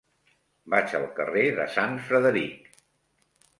Vaig al carrer de Sant Frederic.